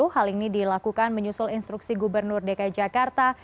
hal ini dilakukan menyusul instruksi gubernur dki jakarta